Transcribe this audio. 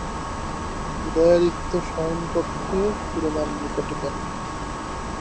উদয়াদিত্য শয়নকক্ষে সুরমার নিকটে গেলেন।